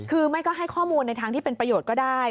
คือไม่ก็ให้ข้อมูลในทางที่เป็นประโยชน์ก็ได้